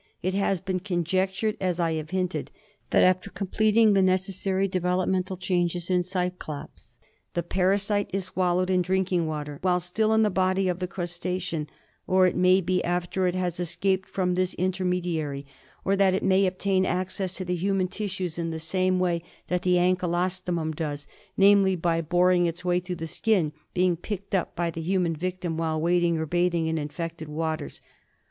It has been conjectured, as I have hinted, that after com pleting the necessary developmental changes in cyclops the parasite is swallowed in drinking water while still in the body of the crustacean or, it may be, after it has escaped from this intermediary; or that it may obtain access to the human tissues in the same way that the ankylostomum does, namely, by boring its way through the skin, being picked up by the human victim while wading or bathing in infected waters.